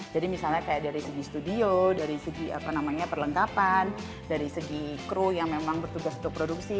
jadi misalnya kayak dari segi studio dari segi apa namanya perlengkapan dari segi crew yang memang bertugas untuk produksi